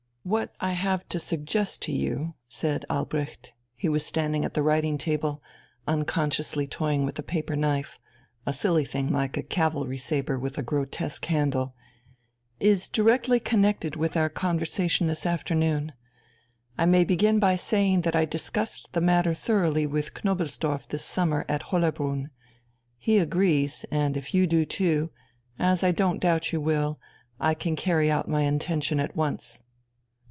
"What I have to suggest to you," said Albrecht he was standing at the writing table, unconsciously toying with a paper knife, a silly thing like a cavalry sabre with a grotesque handle, "is directly connected with our conversation this afternoon. I may begin by saying that I discussed the matter thoroughly with Knobelsdorff this summer at Hollerbrunn. He agrees, and if you do too, as I don't doubt you will, I can carry out my intention at once."